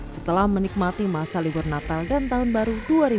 setelah menikmati masa libur natal dan tahun baru dua ribu dua puluh